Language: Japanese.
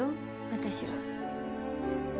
私は。